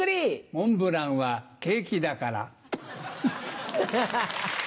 モンブランはケーキだから。